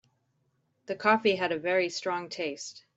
The coffee had a very strong taste.